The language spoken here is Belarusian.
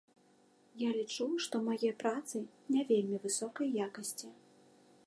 Я лічу, што мае працы не вельмі высокай якасці.